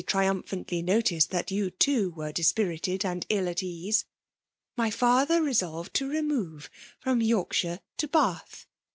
2S3 triumphatktly noted, that you too were dispiritad and ill at eaae,) my father resolved to lemore from Yorkahire to Bath.